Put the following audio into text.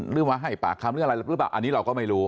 หรือมาให้ปากคำหรืออะไรหรือเปล่าอันนี้เราก็ไม่รู้